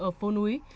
ở phố núi